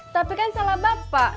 tapi kan salah bapak